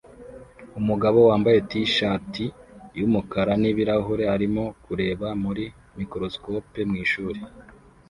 Umugabo wambaye t-shati yumukara n ibirahure arimo kureba muri microscope mwishuri